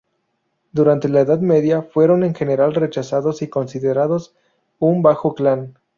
Durante la Edad Media fueron en general rechazados y considerados un Bajo Clan.